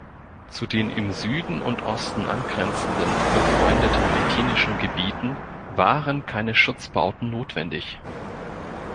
Zu den im Süden und Osten angrenzenden, befreundeten Wettinischen Gebieten waren keine Schutzbauten notwendig.